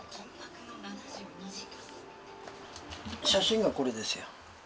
写真がこれですよ。